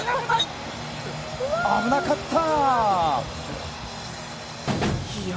危なかった！